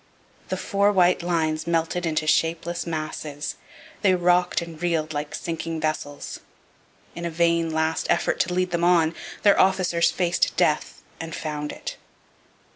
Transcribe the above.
The four white lines melted into shapeless masses. They rocked and reeled like sinking vessels. In a vain, last effort to lead them on, their officers faced death and found it.